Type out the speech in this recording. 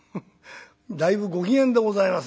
「だいぶご機嫌でございますな」。